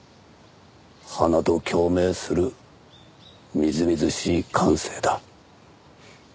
花と共鳴するみずみずしい感性だ。